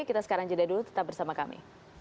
kita sekarang jeda dulu tetap bersama kami